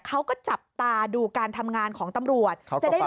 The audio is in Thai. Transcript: เขาก็จับตาดูการทำงานของตำรวจ